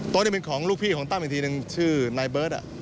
โต๊ะเนี่ยเป็นของลูกพี่ของต้ำเพียงทีโดยชื่อนายเบิร์ด่่ะ